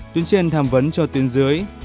tuyến trên tham vấn cho tuyến dưới